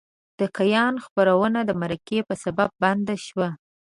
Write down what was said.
د کیان خپرونه د مرکې په سبب بنده شوه.